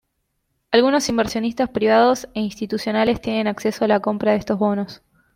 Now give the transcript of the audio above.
Algunos inversionistas privados e institucionales tienen acceso a la compra de estos bonos.